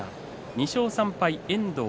２勝３敗、遠藤。